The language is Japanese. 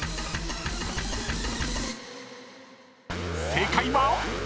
［正解は］